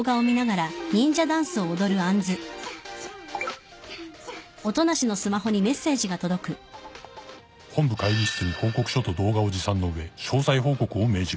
「１２３」「１２３」「本部会議室に報告書と動画を持参の上詳細報告を命じる」